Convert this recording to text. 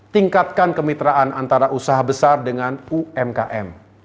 tingkatkan kemitraan antara usaha besar dengan umkm